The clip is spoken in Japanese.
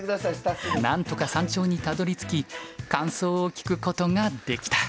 なんとか山頂にたどりつき感想を聞くことができた。